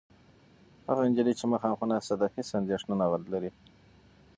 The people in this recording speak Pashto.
هغه نجلۍ چې مخامخ ناسته ده، هېڅ اندېښنه نهلري.